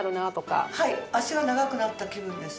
はい脚が長くなった気分です。